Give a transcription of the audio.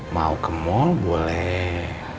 mau ke mall boleh